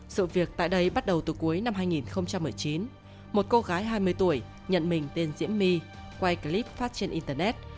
sự việc tại đây bắt đầu từ cuối năm hai nghìn một mươi chín một cô gái hai mươi tuổi nhận mình tên diễm my quay clip phát trên internet